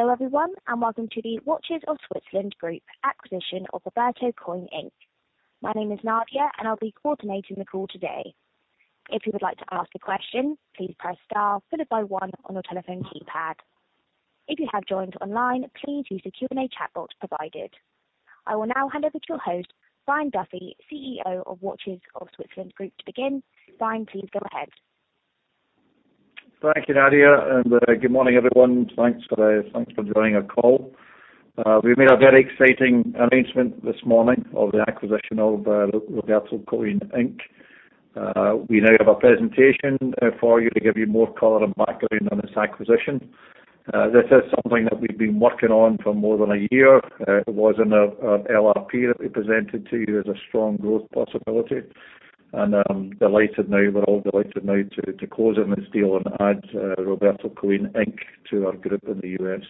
Hello, everyone, and welcome to the Watches of Switzerland Group acquisition of Roberto Coin Inc. My name is Nadia, and I'll be coordinating the call today. If you would like to ask a question, please press star followed by one on your telephone keypad. If you have joined online, please use the Q&A chatbot provided. I will now hand over to your host, Brian Duffy, CEO of Watches of Switzerland Group to begin. Brian, please go ahead. Thank you, Nadia, and good morning, everyone. Thanks for joining our call. We've made a very exciting announcement this morning of the acquisition of Roberto Coin Inc. We now have a presentation for you to give you more color and background on this acquisition. This is something that we've been working on for more than a year. It was in our LRP that we presented to you as a strong growth possibility, and I'm delighted now. We're all delighted now to close on this deal and add Roberto Coin Inc. to our group in the US.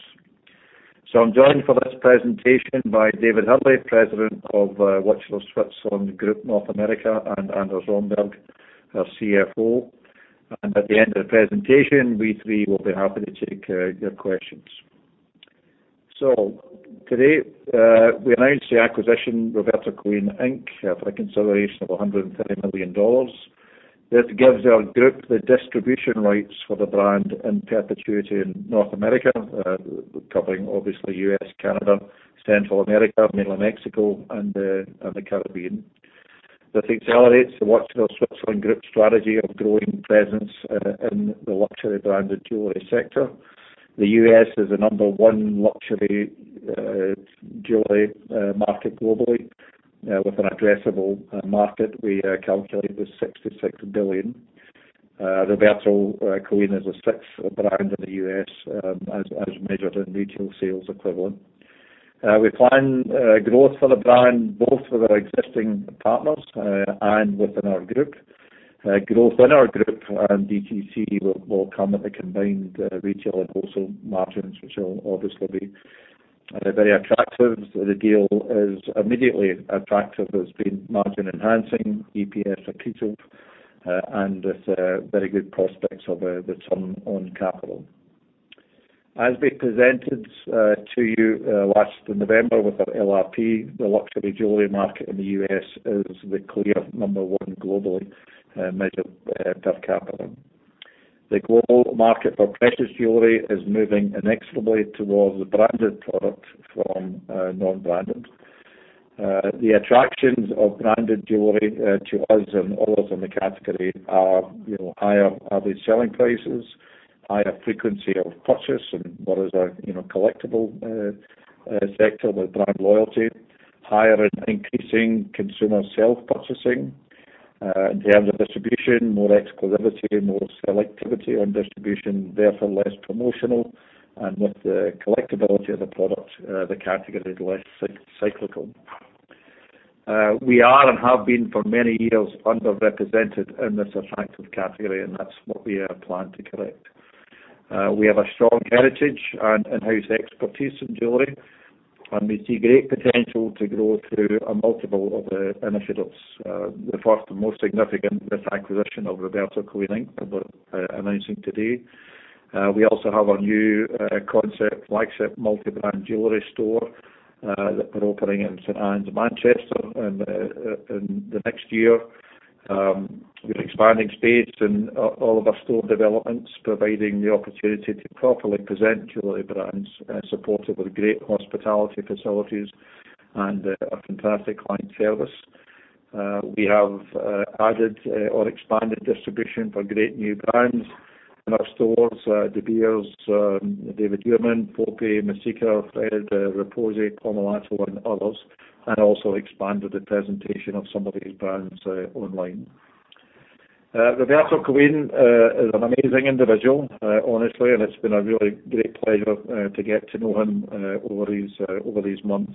So I'm joined for this presentation by David Hurley, President of Watches of Switzerland Group, North America, and Anders Romberg, our CFO. And at the end of the presentation, we three will be happy to take your questions. So today, we announced the acquisition of Roberto Coin Inc., for a consideration of $130 million. This gives our group the distribution rights for the brand in perpetuity in North America, covering obviously U.S., Canada, Central America, mainland Mexico, and, and the Caribbean. This accelerates the Watches of Switzerland Group strategy of growing presence, in the luxury branded jewelry sector. The U.S. is the number one luxury, jewelry, market globally, with an addressable, market we, calculate was $66 billion. Roberto Coin is the sixth brand in the U.S., as, as measured in retail sales equivalent. we plan, growth for the brand, both with our existing partners, and within our group. Growth in our group and DTC will come at the combined retail and wholesale margins, which will obviously be very attractive. The deal is immediately attractive, as being margin-enhancing, EPS accretive, and with very good prospects of return on capital. As we presented to you last November with our LRP, the luxury jewelry market in the U.S. is the clear number one globally, measured per capita. The global market for precious jewelry is moving inexorably towards a branded product from non-branded. The attractions of branded jewelry to us and others in the category are, you know, higher average selling prices, higher frequency of purchase, and what is a, you know, collectible sector with brand loyalty, higher and increasing consumer self-purchasing. In terms of distribution, more exclusivity, more selectivity on distribution, therefore, less promotional, and with the collectibility of the product, the category is less cyclical. We are and have been for many years, underrepresented in this attractive category, and that's what we are planning to correct. We have a strong heritage and in-house expertise in jewelry, and we see great potential to grow through a multiple of initiatives. The first and most significant, this acquisition of Roberto Coin Inc. that we're announcing today. We also have a new concept, flagship multi-brand jewelry store that we're opening in St. Ann's, Manchester in the next year. We're expanding space in all of our store developments, providing the opportunity to properly present jewelry brands, supported with great hospitality facilities and a fantastic client service. We have added or expanded distribution for great new brands in our stores, De Beers, David Yurman, FOPE, Messika, Fred, Repossi, Pomellato, and others, and also expanded the presentation of some of these brands online. Roberto Coin is an amazing individual, honestly, and it's been a really great pleasure to get to know him over these months.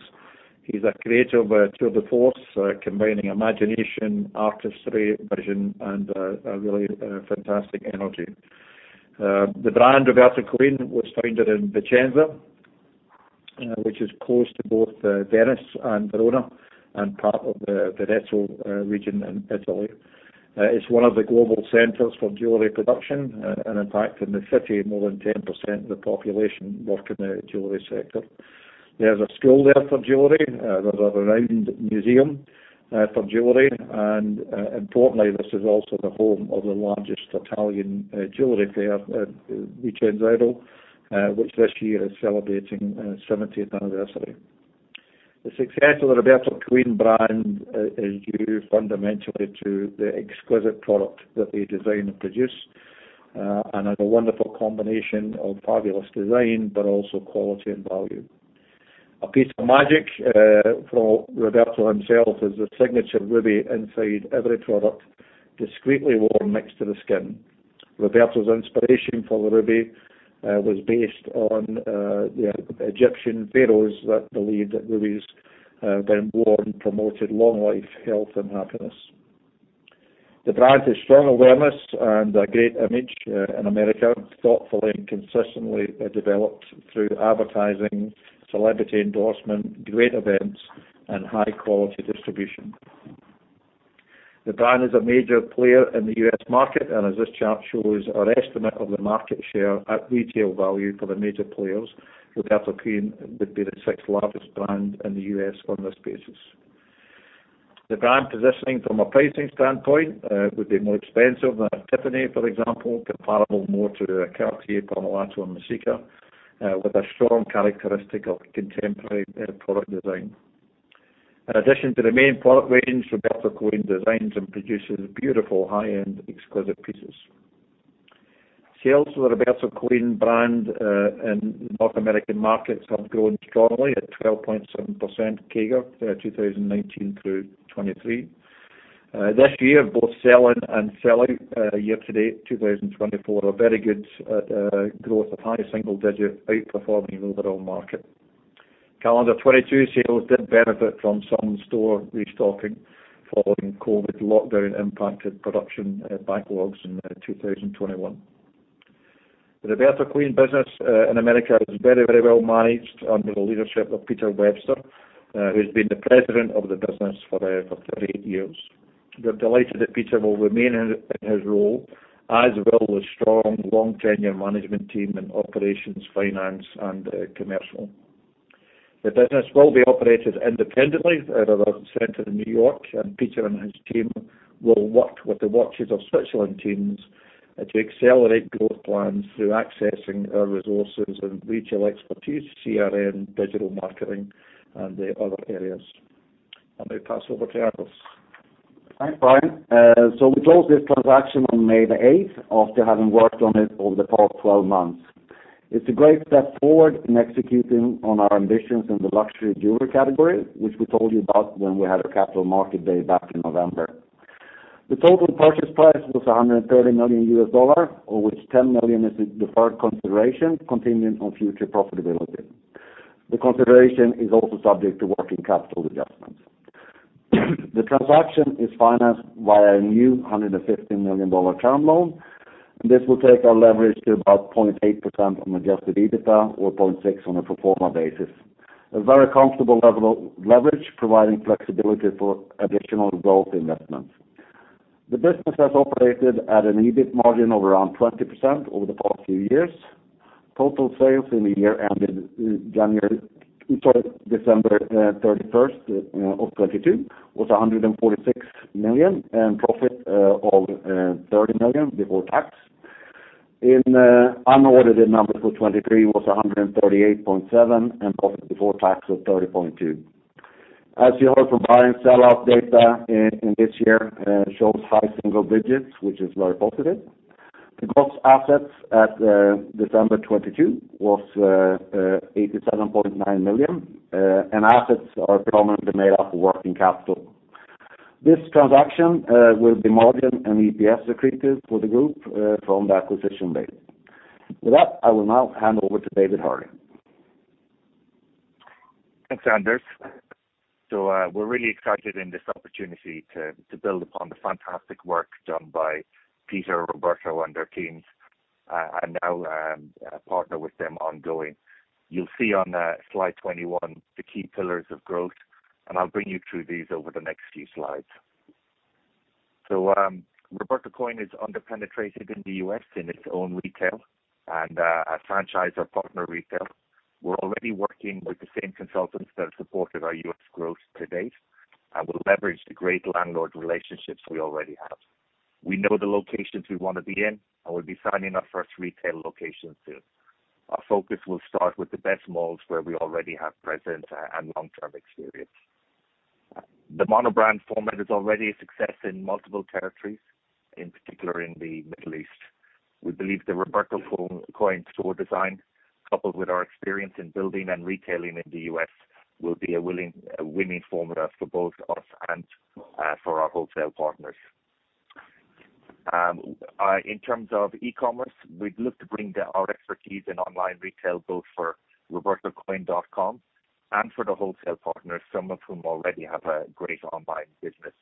He's a creator of a tour de force, combining imagination, artistry, vision, and a really fantastic energy. The brand, Roberto Coin, was founded in Vicenza, which is close to both Venice and Verona, and part of the Veneto region in Italy. It's one of the global centers for jewelry production, and in fact, in the city, more than 10% of the population work in the jewelry sector. There's a school there for jewelry. There's a renowned museum for jewelry, and importantly, this is also the home of the largest Italian jewelry fair, VicenzaOro, which this year is celebrating 70th anniversary. The success of the Roberto Coin brand is due fundamentally to the exquisite product that they design and produce, and a wonderful combination of fabulous design, but also quality and value. A piece of magic from Roberto himself is the signature ruby inside every product, discreetly worn next to the skin. Roberto's inspiration for the ruby was based on the Egyptian pharaohs that believed that rubies, when worn, promoted long life, health, and happiness. The brand has strong awareness and a great image in America, thoughtfully and consistently developed through advertising, celebrity endorsement, great events, and high-quality distribution. The brand is a major player in the US market, and as this chart shows, our estimate of the market share at retail value for the major players, Roberto Coin would be the sixth largest brand in the US on this basis. The brand positioning from a pricing standpoint would be more expensive than a Tiffany, for example, comparable more to a Cartier, Panerai, and Messika with a strong characteristic of contemporary product design. In addition to the main product range, Roberto Coin designs and produces beautiful, high-end, exclusive pieces. Sales for the Roberto Coin brand in North American markets have grown strongly at 12.7% CAGR, 2019 through 2023. This year, both sell-in and sell-out year-to-date, 2024, are very good, at growth of high single digit, outperforming the overall market. Calendar 2022 sales did benefit from some store restocking following COVID lockdown-impacted production backlogs in 2021. The Roberto Coin business in America is very, very well managed under the leadership of Peter Webster, who's been the president of the business for 38 years. We're delighted that Peter will remain in his role, as will the strong, long-tenure management team in operations, finance, and commercial. The business will be operated independently out of our center in New York, and Peter and his team will work with the Watches of Switzerland teams to accelerate growth plans through accessing our resources and retail expertise, CRM, digital marketing, and the other areas. I now pass over to Anders. Thanks, Brian. So we closed this transaction on May the eighth, after having worked on it over the past 12 months. It's a great step forward in executing on our ambitions in the luxury jewelry category, which we told you about when we had our capital market day back in November. The total purchase price was $130 million, of which $10 million is a deferred consideration, continuing on future profitability. The consideration is also subject to working capital adjustments. The transaction is financed by a new $150 million term loan, and this will take our leverage to about 0.8% on adjusted EBITDA, or 0.6% on a pro forma basis. A very comfortable level of leverage, providing flexibility for additional growth investments. The business has operated at an EBIT margin of around 20% over the past few years. Total sales in the year ended January, sorry, December 31st, 2022, was $146 million, and profit of $30 million before tax. In unaudited numbers for 2023 was $138.7 million, and profit before tax was $30.2 million. As you heard from Brian, sell-out data in this year shows high single digits, which is very positive. The gross assets at December 2022 was $87.9 million, and assets are predominantly made up of working capital. This transaction will be margin and EPS accretive for the group from the acquisition date. With that, I will now hand over to David Hurley. Thanks, Anders. So, we're really excited in this opportunity to, to build upon the fantastic work done by Peter, Roberto, and their teams, and now, partner with them ongoing. You'll see on, slide 21, the key pillars of growth, and I'll bring you through these over the next few slides. So, Roberto Coin is under-penetrated in the US in its own retail and, as franchisor partner retail. We're already working with the same consultants that have supported our US growth to date, and we'll leverage the great landlord relationships we already have. We know the locations we want to be in, and we'll be signing our first retail location soon. Our focus will start with the best malls where we already have presence and, long-term experience. The monobrand format is already a success in multiple territories, in particular in the Middle East. We believe the Roberto Coin store design, coupled with our experience in building and retailing in the U.S., will be a winning formula for both us and for our wholesale partners. In terms of e-commerce, we'd look to bring our expertise in online retail, both for robertocoin.com and for the wholesale partners, some of whom already have a great online business.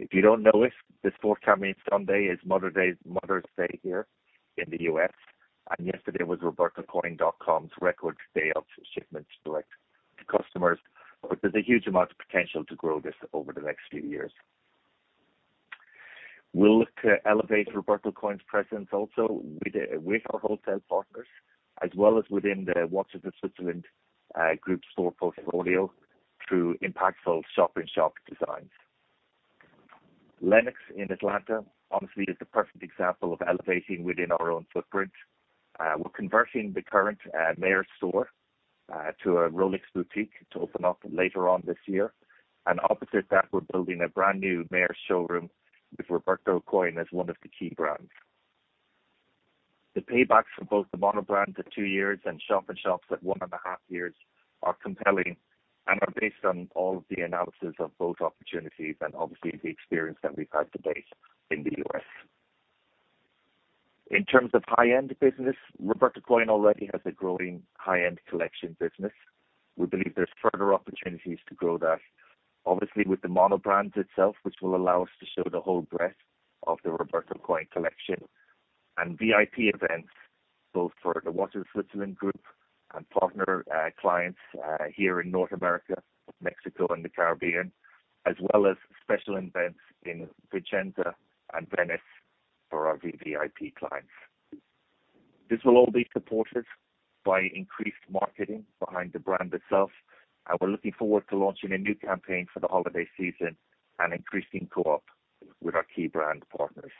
If you don't know this, this forthcoming Sunday is Mother's Day here in the U.S., and yesterday was robertocoin.com's record day of shipments direct to customers. But there's a huge amount of potential to grow this over the next few years. We'll look to elevate Roberto Coin's presence also with our wholesale partners, as well as within the Watches of Switzerland Group store portfolio through impactful shop-in-shop designs. Lenox in Atlanta, obviously, is the perfect example of elevating within our own footprint. We're converting the current Mayors store to a Rolex boutique to open up later on this year. Opposite that, we're building a brand-new Mayors showroom with Roberto Coin as one of the key brands. The paybacks for both the monobrand to 2 years and shop-in-shops at 1.5 years are compelling and are based on all of the analysis of both opportunities and obviously the experience that we've had to date in the US. In terms of high-end business, Roberto Coin already has a growing high-end collection business. We believe there's further opportunities to grow that, obviously, with the monobrand itself, which will allow us to show the whole breadth of the Roberto Coin collection.... and VIP events, both for the Watches of Switzerland Group and partner clients here in North America, Mexico, and the Caribbean, as well as special events in Vicenza and Venice for our VVIP clients. This will all be supported by increased marketing behind the brand itself, and we're looking forward to launching a new campaign for the holiday season and increasing co-op with our key brand partners.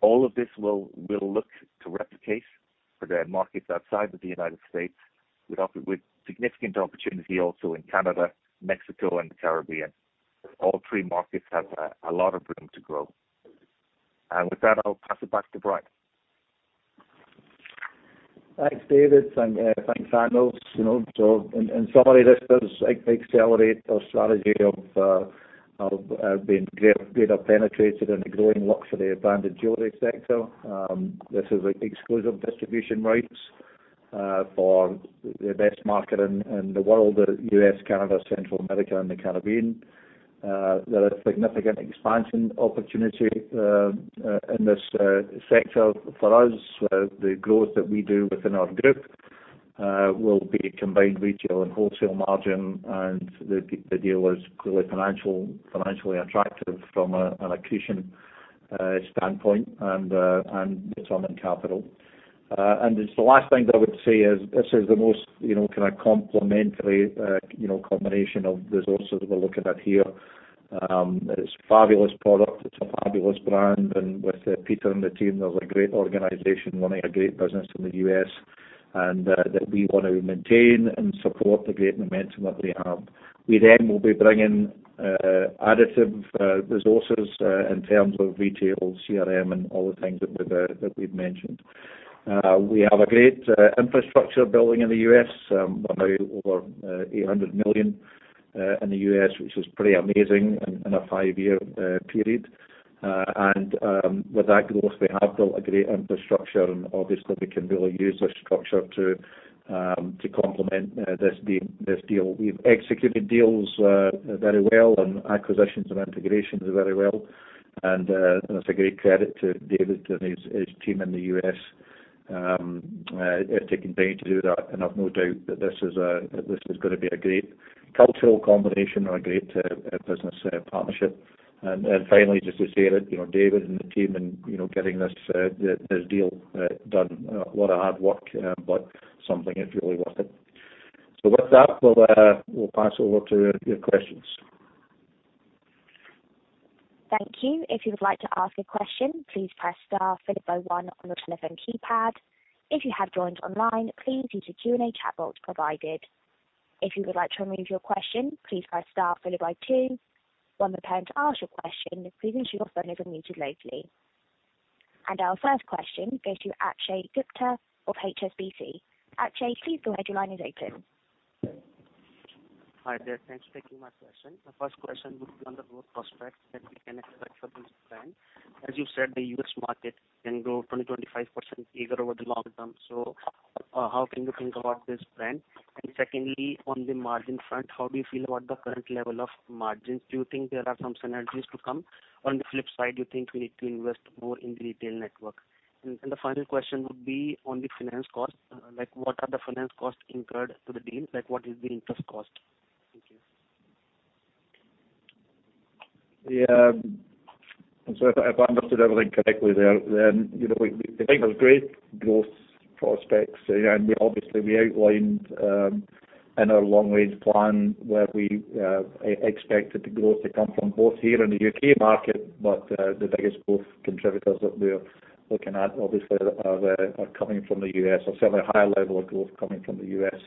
All of this will, we'll look to replicate for the markets outside of the United States, with significant opportunity also in Canada, Mexico, and the Caribbean. All three markets have a lot of room to grow. And with that, I'll pass it back to Brian. Thanks, David, and thanks, Anders. You know, so in summary, this does accelerate our strategy of being greater penetrated in the growing luxury branded jewelry sector. This is like exclusive distribution rights for the best market in the world, the US, Canada, Central America, and the Caribbean. There are significant expansion opportunity in this sector for us. The growth that we do within our group will be combined retail and wholesale margin, and the deal is clearly financially attractive from an accretion standpoint and return on capital. And the last thing that I would say is, this is the most, you know, kind of complementary combination of resources we're looking at here. It's fabulous product. It's a fabulous brand, and with Peter and the team, there's a great organization running a great business in the US, and that we want to maintain and support the great momentum that they have. We then will be bringing additive resources in terms of retail, CRM, and all the things that we've mentioned. We have a great infrastructure building in the US now over $800 million in the US, which is pretty amazing in a five-year period. And with that growth, we have built a great infrastructure, and obviously we can really use this structure to complement this deal. We've executed deals very well and acquisitions and integrations very well, and that's a great credit to David and his team in the US. They continue to do that, and I've no doubt that this is gonna be a great cultural combination and a great business partnership. And finally, just to say that, you know, David and the team and, you know, getting this deal done, a lot of hard work, but something is really worth it. So with that, we'll pass over to your questions. Thank you. If you would like to ask a question, please press star followed by one on your telephone keypad. If you have joined online, please use the Q&A chat box provided. If you would like to remove your question, please press star followed by two. When preparing to ask your question, please ensure your phone is muted locally. Our first question goes to Akshay Gupta of HSBC. Akshay, please go ahead. Your line is open. Hi there. Thanks for taking my question. My first question would be on the growth prospects that we can expect for this brand. As you said, the US market can grow 20%-25% year over the long term, so how can you think about this brand? And secondly, on the margin front, how do you feel about the current level of margins? Do you think there are some synergies to come? On the flip side, do you think we need to invest more in the retail network? And the final question would be on the finance cost. Like, what are the finance costs incurred to the deal? Like, what is the interest cost? Thank you. Yeah. So if I, if I understood everything correctly there, then, you know, we, we think there's great growth prospects, and we obviously, we outlined in our Long Range Plan, where we expected the growth to come from, both here in the U.K. market, but the biggest growth contributors that we're looking at obviously are are coming from the U.S., or certainly a higher level of growth coming from the U.S.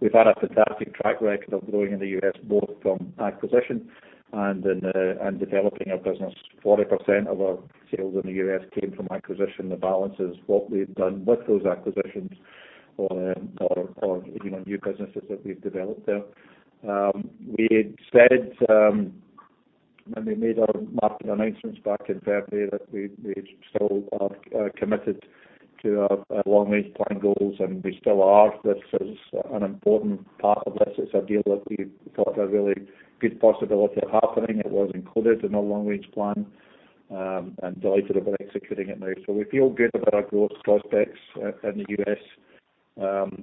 We've had a fantastic track record of growing in the U.S., both from acquisition and in and developing our business. 40% of our sales in the U.S. came from acquisition. The balance is what we've done with those acquisitions, or, or, you know, new businesses that we've developed there. We had said, when we made our market announcements back in February, that we still are committed to our long range plan goals, and we still are. This is an important part of this. It's a deal that we thought a really good possibility of happening. It was included in our long range plan, and delighted about executing it now. So we feel good about our growth prospects in the U.S.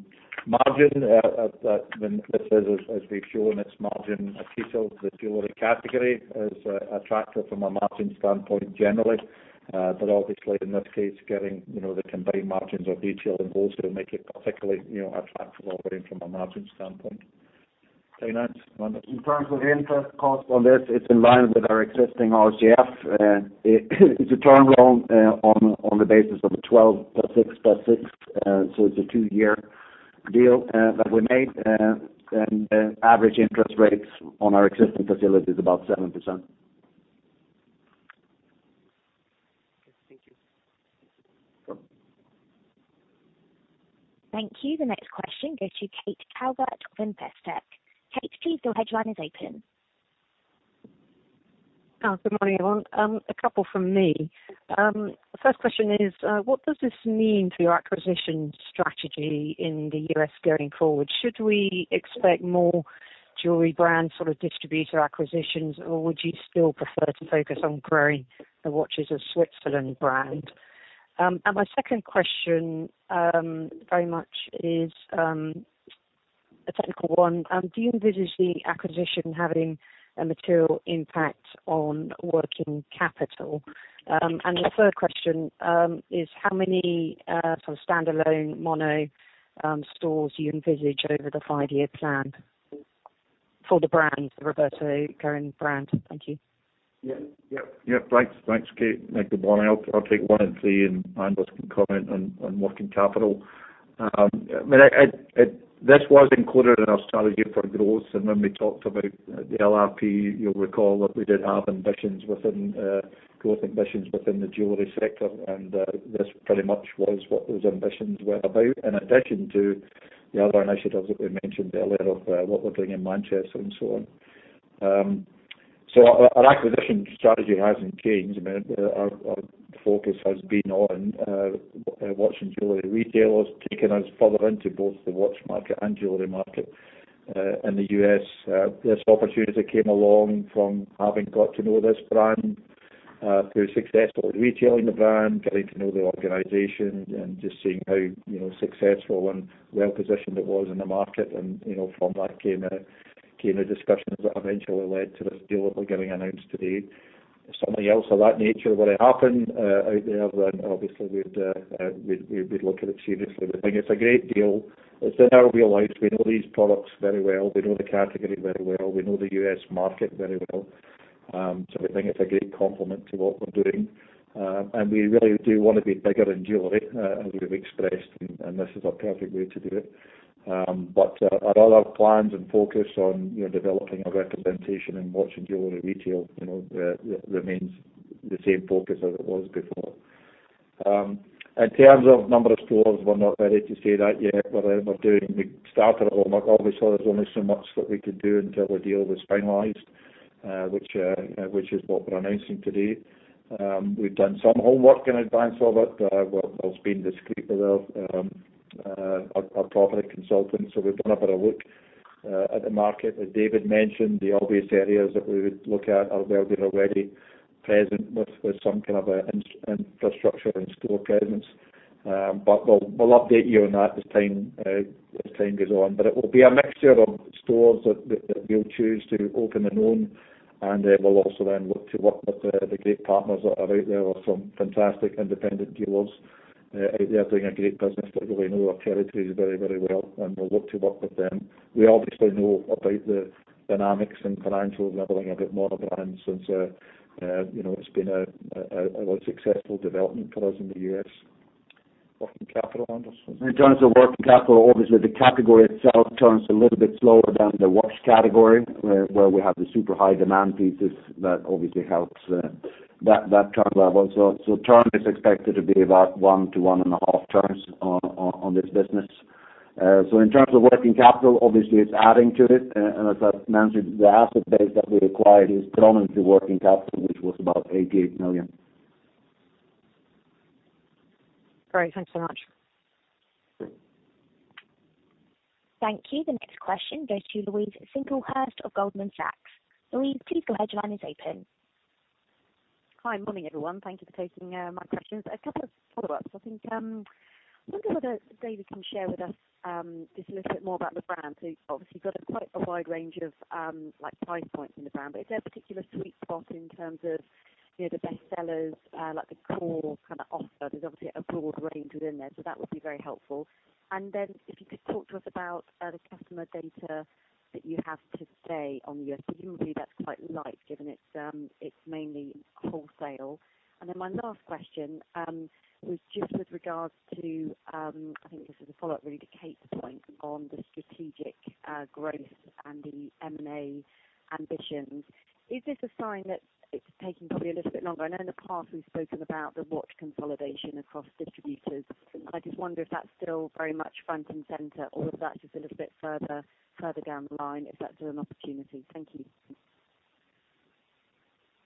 Margin, this is, as we've shown, it's margin retail. The jewelry category is attractive from a margin standpoint generally, but obviously in this case, getting, you know, the combined margins of retail and wholesale make it particularly, you know, attractive offering from a margin standpoint. Finance, Randy? In terms of interest cost on this, it's in line with our existing RCF. It's a term loan on the basis of a 12 plus six plus six, so it's a two-year deal that we made. Average interest rates on our existing facility is about 7%. Okay. Thank you. Thank you. The next question goes to Kate Calvert of Investec. Kate, please, your headline is open. Good morning, everyone. A couple from me. The first question is, what does this mean for your acquisition strategy in the U.S. going forward? Should we expect more jewelry brands, sort of distributor acquisitions, or would you still prefer to focus on growing the Watches of Switzerland brand? And my second question, very much is a technical one. Do you envisage the acquisition having a material impact on working capital? And the third question, is how many, sort of standalone mono stores do you envisage over the five-year plan for the brand, the Roberto Coin brand? Thank you. Yeah. Yep, yep. Thanks, thanks, Kate. Good morning. I'll take one and three, and Anders can comment on working capital. I mean, this was included in our strategy for growth, and when we talked about the LRP, you'll recall that we did have ambitions within growth ambitions within the jewelry sector, and this pretty much was what those ambitions were about, in addition to the other initiatives that we mentioned earlier of what we're doing in Manchester and so on. So our acquisition strategy hasn't changed. I mean, our focus has been on watch and jewelry retailers, taking us further into both the watch market and jewelry market in the US. This opportunity came along from having got to know this brand through successful retailing the brand, getting to know the organization, and just seeing how, you know, successful and well-positioned it was in the market. And, you know, from that came the discussions that eventually led to this deal that we're announcing today. If something else of that nature were to happen out there, then obviously we'd look at it seriously. We think it's a great deal. It's in our wheelhouse. We know these products very well. We know the category very well. We know the US market very well. So we think it's a great complement to what we're doing, and we really do want to be bigger in jewelry, as we've expressed, and this is a perfect way to do it. But our other plans and focus on, you know, developing our representation in watch and jewelry retail, you know, remains the same focus as it was before. In terms of number of stores, we're not ready to say that yet. Whatever we're doing, we started our homework. Obviously, there's only so much that we could do until the deal was finalized, which is what we're announcing today. We've done some homework in advance of it. Whilst being discreet with our property consultants, so we've done a bit of work at the market. As David mentioned, the obvious areas that we would look at are where we're already present with some kind of infrastructure and store presence. But we'll update you on that as time goes on. But it will be a mixture of stores that we'll choose to open and own, and then we'll also then look to work with the great partners that are out there or some fantastic independent dealers out there doing a great business that really know our territories very, very well, and we'll look to work with them. We obviously know about the dynamics and financials and everything about monobrand since you know it's been a very successful development for us in the US. Working capital, Anders? In terms of working capital, obviously the category itself turns a little bit slower than the watch category, where we have the super high demand pieces that obviously helps that turn level. So turn is expected to be about 1-1.5 turns on this business. So in terms of working capital, obviously it's adding to it, and as I've mentioned, the asset base that we acquired is predominantly working capital, which was about $88 million. Great. Thanks so much. Thank you. The next question goes to Louise Singlehurst of Goldman Sachs. Louise, please go ahead. Your line is open. Hi, morning, everyone. Thank you for taking my questions. A couple of follow-ups. I think I wonder whether David can share with us just a little bit more about the brand. So obviously, you've got a quite a wide range of like price points in the brand, but is there a particular sweet spot in terms of you know the bestsellers like the core kind of offer? There's obviously a broad range within there, so that would be very helpful. And then if you could talk to us about the customer data that you have to say on the U.S. So usually, that's quite light, given it's it's mainly wholesale. And then my last question was just with regards to I think this is a follow-up really to Kate's point on the strategic growth and the M&A ambitions. Is this a sign that it's taking probably a little bit longer? I know in the past we've spoken about the watch consolidation across distributors. I just wonder if that's still very much front and center, or if that's just a little bit further, further down the line, if that's an opportunity. Thank you.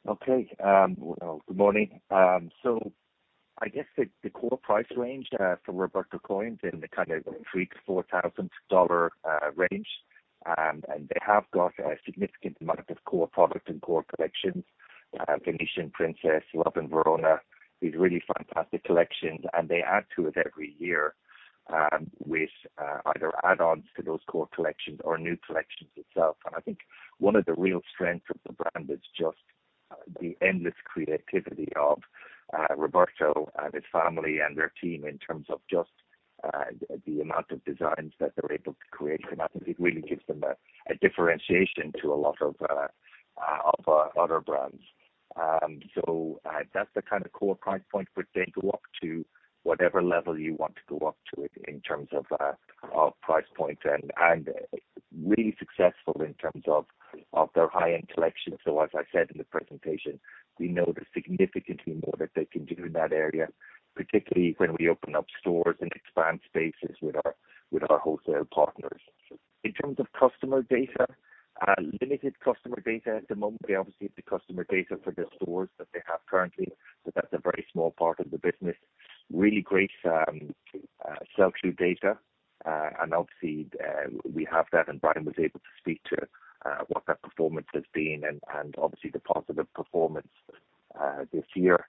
Okay. Well, good morning. So I guess the core price range for Roberto Coin is in the kind of $3,000-$4,000 range. And they have got a significant amount of core product and core collections, Venetian Princess, Love in Verona, these really fantastic collections, and they add to it every year, with either add-ons to those core collections or new collections itself. And I think one of the real strengths of the brand is just the endless creativity of Roberto and his family and their team in terms of just the amount of designs that they're able to create. And I think it really gives them a differentiation to a lot of other brands. So, that's the kind of core price point, but they go up to whatever level you want to go up to in terms of of price point and really successful in terms of their high-end collection. So as I said in the presentation, we know there's significantly more that they can do in that area, particularly when we open up stores and expand spaces with our wholesale partners. In terms of customer data, limited customer data at the moment. They obviously have the customer data for the stores that they have currently, but that's a very small part of the business. Really great sell-through data, and obviously we have that, and Brian was able to speak to what that performance has been and obviously the positive performance this year.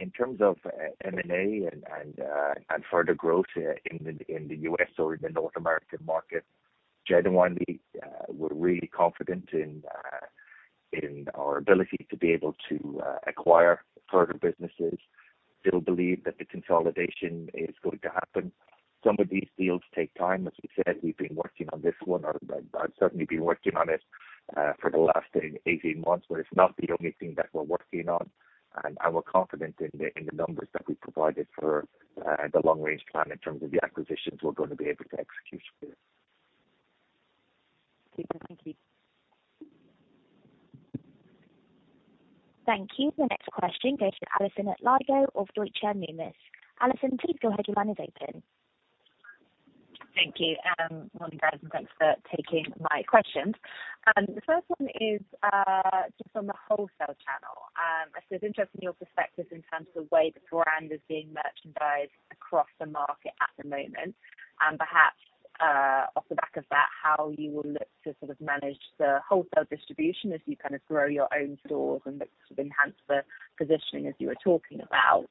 In terms of M&A and further growth in the US or in the North American market, genuinely, we're really confident in our ability to acquire further businesses. Still believe that the consolidation is going to happen. Some of these deals take time. As we said, we've been working on this one, or I've certainly been working on it for the last 18 months, but it's not the only thing that we're working on. And we're confident in the numbers that we've provided for the long range plan in terms of the acquisitions we're gonna be able to execute here. Okay, thank you. Thank you. The next question goes to Alison Lander of Deutsche Numis. Allison, please go ahead. Your line is open. Thank you, good morning, guys, and thanks for taking my questions. The first one is just on the wholesale channel. I'm just interested in your perspective in terms of the way the brand is being merchandised across the market at the moment, and perhaps, off the back of that, how you will look to sort of manage the wholesale distribution as you kind of grow your own stores and look to enhance the positioning as you were talking about.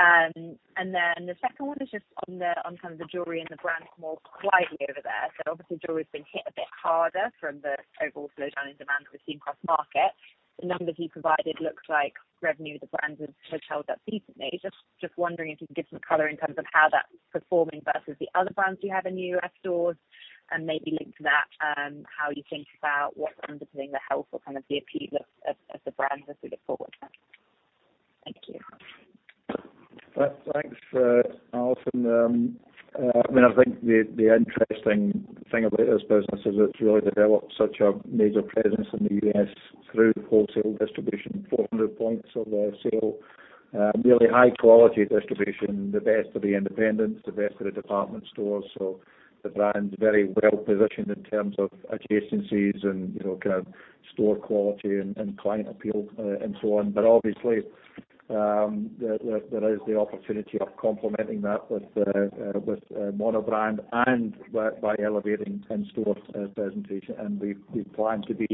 And then the second one is just on the, on kind of the jewelry and the brand more widely over there. So obviously, jewelry's been hit a bit harder from the overall slowdown in demand that we've seen across market. The numbers you provided looked like revenue, the brands have, have held up decently. Just, just wondering if you can give some color in terms of how that's performing versus the other brands you have in US stores, and maybe linked to that, how you think about what's underpinning the health or kind of the appeal of the brands as we look forward? Thank you. Thanks, Allison. I mean, I think the interesting thing about this business is it's really developed such a major presence in the US through wholesale distribution, 400 points of sale. Really high quality distribution, the best of the independents, the best of the department stores. So the brand's very well positioned in terms of adjacencies and, you know, kind of store quality and client appeal, and so on. But obviously, there is the opportunity of complementing that with monobrand and by elevating in-store presentation. And we plan to be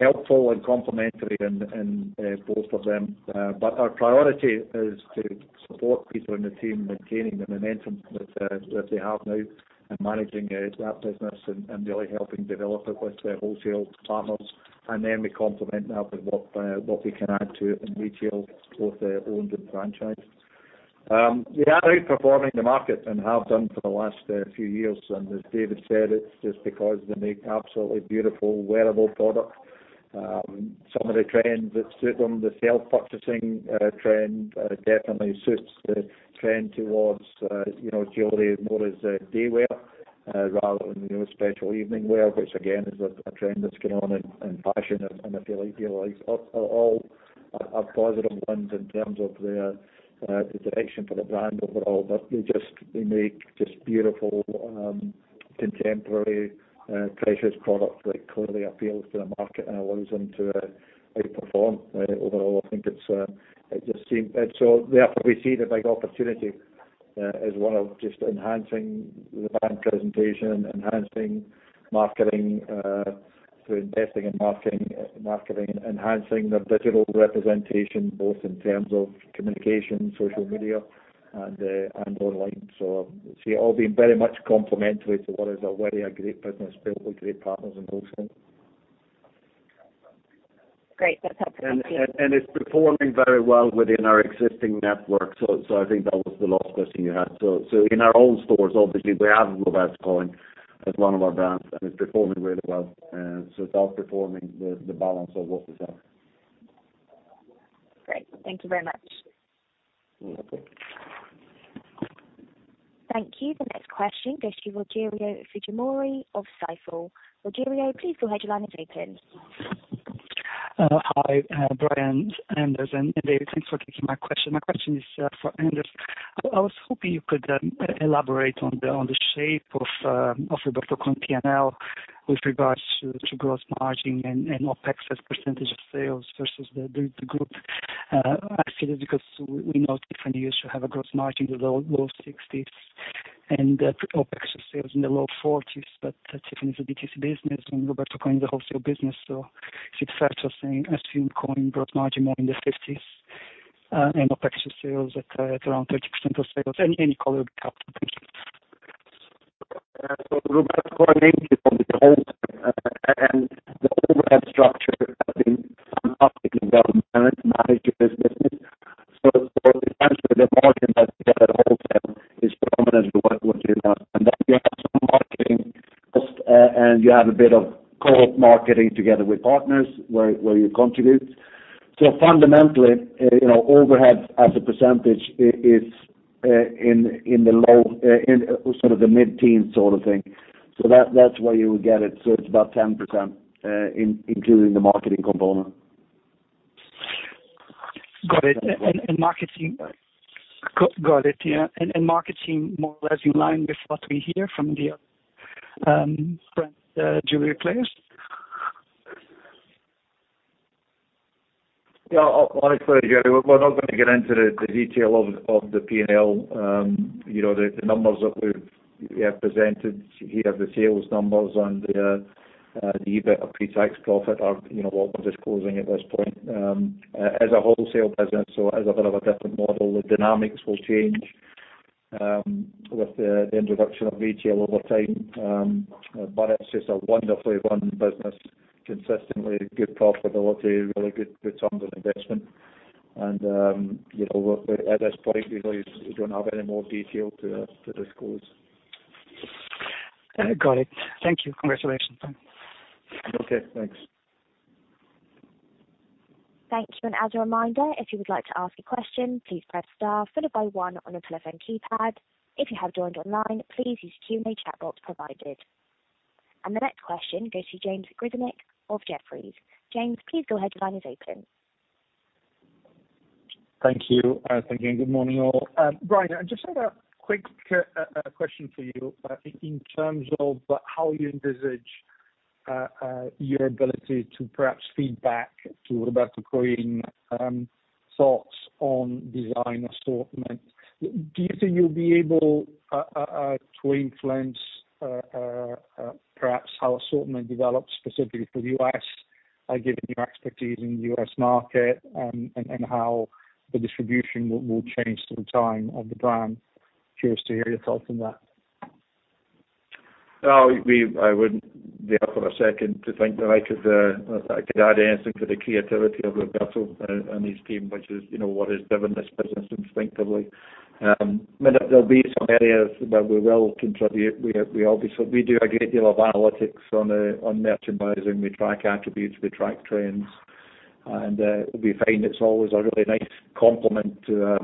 helpful and complementary in both of them. Our priority is to support people in the team maintaining the momentum that they have now and managing that business and really helping develop it with their wholesale partners. Then we complement that with what we can add to in retail, both owned and franchised. We are outperforming the market and have done for the last few years, and as David said, it's just because they make absolutely beautiful, wearable product. Some of the trends that suit them, the self-purchasing trend, definitely suits the trend towards, you know, jewelry more as daywear, rather than, you know, special evening wear, which again, is a trend that's going on in fashion and I feel like are all positive ones in terms of the direction for the brand overall. But they just, they make just beautiful, contemporary precious product that clearly appeals to the market and allows them to outperform. Overall, I think it's it just seems. So therefore, we see the big opportunity, as well of just enhancing the brand presentation, enhancing marketing, so investing in marketing, marketing, enhancing their digital representation, both in terms of communication, social media and online. So see it all being very much complementary to what is already a great business built with great partners in wholesale. Great. That's helpful. Thank you. It's performing very well within our existing network. So I think that was the last question you had. So in our own stores, obviously, we have Roberto Coin as one of our brands, and it's performing really well. So it's outperforming the balance of what we sell. Great. Thank you very much. You're welcome. Thank you. The next question goes to Rogerio Fujimori of Stifel. Rogério, please go ahead. Your line is open. Hi, Brian, Anders, and David. Thanks for taking my question. My question is for Anders. I was hoping you could elaborate on the shape of Roberto Coin PNL with regards to gross margin and OpEx as a percentage of sales versus the group. Actually, because we know different years, you have a gross margin in the low sixties, and OpEx of sales in the low forties, but that's even as a B2C business, and Roberto Coin is a wholesale business. So it's fair to say, assume Coin gross margin more in the fifties, and OpEx sales at around 30% of sales. Any color would help. Thank you. So Roberto Coin mainly from the wholesale, and the overhead structure has been fantastically well managed in this business. So essentially, the margin that you get at wholesale is predominantly what you announced. And then you have some marketing cost, and you have a bit of co-op marketing together with partners where you contribute. So fundamentally, you know, overhead as a percentage is in the low, in sort of the mid-teens sort of thing. So that's where you would get it, so it's about 10%, including the marketing component. Got it. Yeah. And marketing... Got it, yeah. And marketing more or less in line with what we hear from the other brand jewelry players? Yeah, honestly, Jerry, we're not gonna get into the detail of the P&L. You know, the numbers that we have presented here, the sales numbers and the EBIT or pretax profit are, you know, what we're disclosing at this point. As a wholesale business, so as a bit of a different model, the dynamics will change with the introduction of retail over time. But it's just a wonderfully run business, consistently good profitability, really good terms of investment, and you know, at this point, we really don't have any more detail to disclose. Got it. Thank you. Congratulations. Okay, thanks. Thank you, and as a reminder, if you would like to ask a question, please press star followed by one on your telephone keypad. If you have joined online, please use Q&A chat box provided. The next question goes to James Grzinic of Jefferies. James, please go ahead. Your line is open. Thank you, thank you, and good morning, all. Brian, I just had a quick question for you in terms of how you envisage your ability to perhaps feed back to Roberto Coin thoughts on design assortment. Do you think you'll be able to influence perhaps how assortment develops specifically for the US given your expertise in the US market and how the distribution will change through time of the brand? Curious to hear your thoughts on that. Well, I wouldn't be here for a second to think that I could add anything to the creativity of Roberto and his team, which is, you know, what has driven this business instinctively. But there'll be some areas where we will contribute. We have. We obviously do a great deal of analytics on merchandising. We track attributes, we track trends, and we find it's always a really nice complement to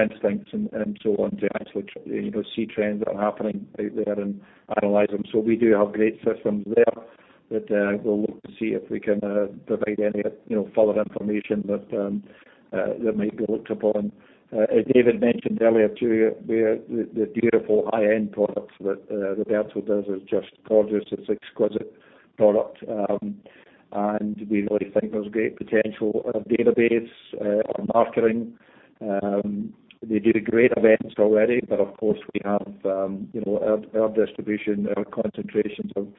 instincts and so on, to actually, you know, see trends that are happening out there and analyze them. So we do have great systems there that we'll look to see if we can provide any, you know, follow information that might be looked upon. As David mentioned earlier to you, the beautiful high-end products that Roberto does is just gorgeous. It's exquisite product. And we really think there's great potential, our database, our marketing. They did great events already, but of course, we have, you know, our distribution, our concentrations of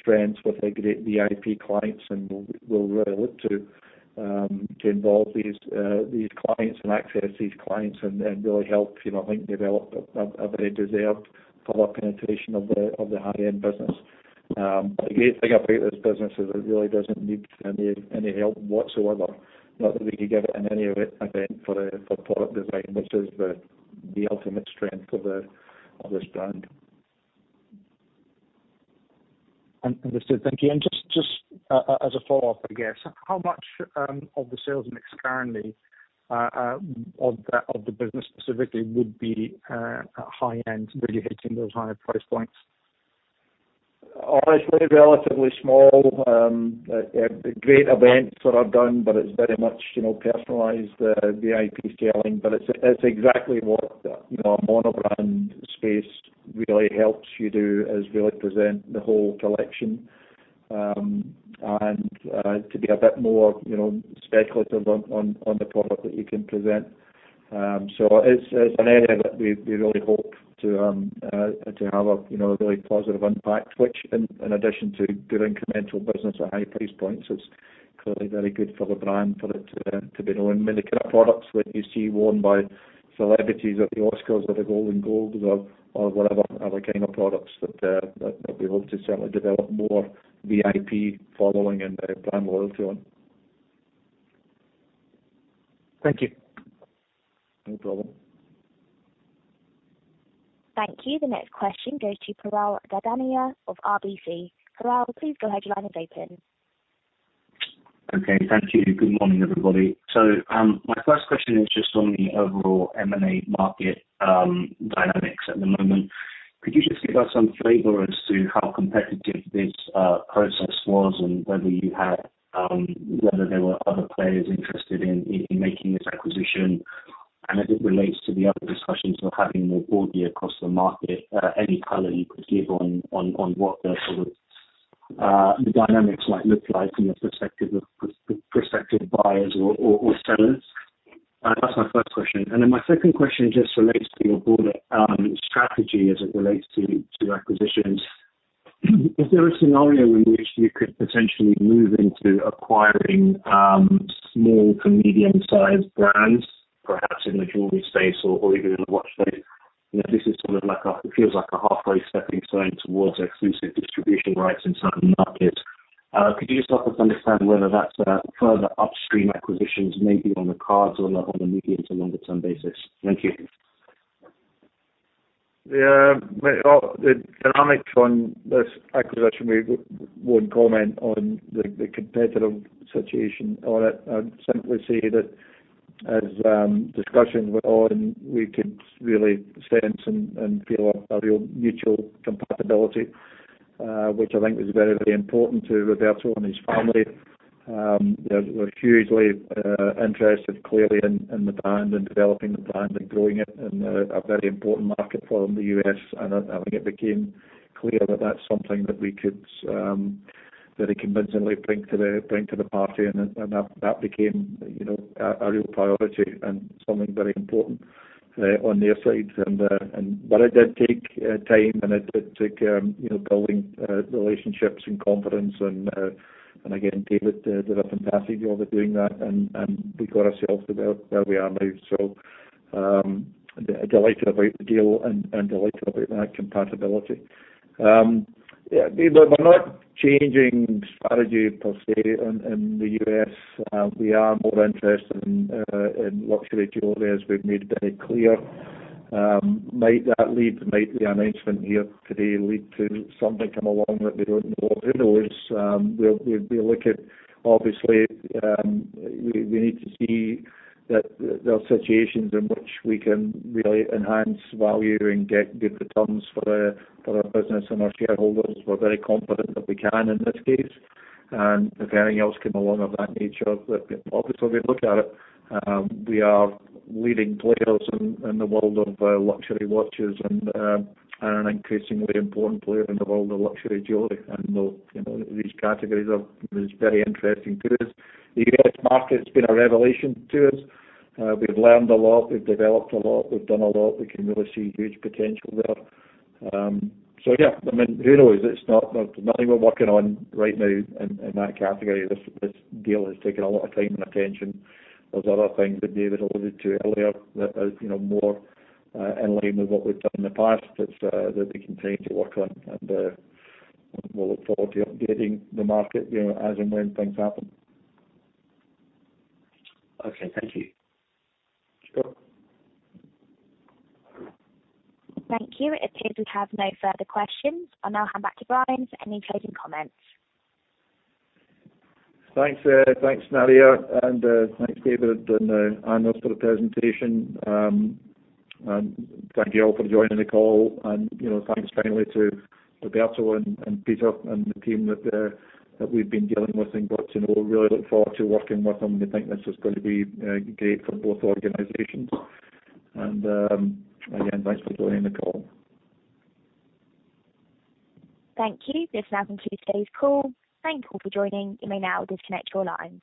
strengths with the great VIP clients, and we'll really look to involve these clients and access these clients and really help, you know, help develop a very deserved public connotation of the high-end business. The great thing about this business is it really doesn't need any help whatsoever. Not that we could give it in any event for product design, which is the ultimate strength of this brand. Understood. Thank you. And just as a follow-up, I guess, how much of the sales mix currently of the business specifically would be high end, really hitting those higher price points? Honestly, relatively small. Great events that are done, but it's very much, you know, personalized VIP scaling, but it's exactly what, you know, a monobrand space really helps you do, is really present the whole collection. And to be a bit more, you know, speculative on the product that you can present. So it's an area that we really hope to have a, you know, a really positive impact, which, in addition to good incremental business at high price points, is clearly very good for the brand, for it to be known. Many kind of products that you see worn by celebrities at the Oscars or the Golden Globes or whatever are the kind of products that we hope to certainly develop more VIP following and brand loyalty on. Thank you. No problem. Thank you. The next question goes to Piral Dadhania of RBC. Piral, please go ahead. Your line is open. Okay, thank you. Good morning, everybody. So, my first question is just on the overall M&A market dynamics at the moment. Could you just give us some flavor as to how competitive this process was and whether you had whether there were other players interested in making this acquisition? And as it relates to the other discussions we're having more broadly across the market, any color you could give on what the sort of the dynamics might look like from the perspective of prospective buyers or sellers? That's my first question, and then my second question just relates to your broader strategy as it relates to acquisitions. Is there a scenario in which you could potentially move into acquiring small to medium-sized brands, perhaps in the jewelry space or even in the watch space? You know, this is sort of like a feels like a halfway stepping stone towards exclusive distribution rights in certain markets. Could you just help us understand whether that's further upstream acquisitions may be on the cards or on a medium- to longer-term basis? Thank you. Yeah, well, the dynamics on this acquisition, we wouldn't comment on the competitive situation on it. I'd simply say that as discussions went on, we could really sense and feel a real mutual compatibility, which I think is very, very important to Roberto and his family. They're hugely interested clearly in the brand, and developing the brand, and growing it in a very important market for them, the US, and I think it became clear that that's something that we could very convincingly bring to the party, and that became, you know, a real priority and something very important on their side. But it did take time, and it did take you know, building relationships and confidence, and again, David did a fantastic job of doing that. And we got ourselves to where we are now. So, delighted about the deal and delighted about that compatibility. Yeah, we're not changing strategy per se in the US. We are more interested in luxury jewelry, as we've made very clear. Might that lead, might the announcement here today lead to something come along that we don't know? Who knows? We'll look at, obviously, we need to see that there are situations in which we can really enhance value and get good returns for our business and our shareholders. We're very confident that we can in this case, and if anything else come along of that nature, that obviously we'll look at it. We are leading players in the world of luxury watches and an increasingly important player in the world of luxury jewelry. You know, these categories are very interesting to us. The US market's been a revelation to us. We've learned a lot, we've developed a lot, we've done a lot. We can really see huge potential there. So yeah, I mean, who knows? It's not nothing we're working on right now in that category. This deal has taken a lot of time and attention. There's other things that David alluded to earlier that are, you know, more in line with what we've done in the past that that we continue to work on, and we'll look forward to updating the market, you know, as and when things happen. Okay, thank you. Sure. Thank you. It appears we have no further questions. I'll now hand back to Brian for any closing comments. Thanks, Nadia, and thanks, David, and Anders, for the presentation. Thank you all for joining the call, and you know, thanks finally to Roberto and Peter and the team that we've been dealing with in Burt. We really look forward to working with them. We think this is gonna be great for both organizations. Again, thanks for joining the call. Thank you. This now concludes today's call. Thank you all for joining. You may now disconnect your lines.